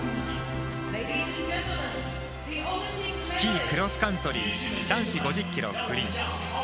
スキー・クロスカントリー男子 ５０ｋｍ フリー。